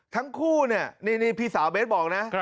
ทั้งคู่เนี่ยนี่พี่สาวเบสบอกนะ